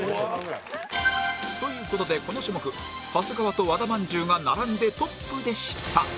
という事でこの種目長谷川と和田まんじゅうが並んでトップでした